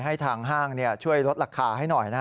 ให้ทางห้างช่วยลดราคาให้หน่อยนะ